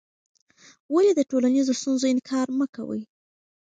ولې د ټولنیزو ستونزو انکار مه کوې؟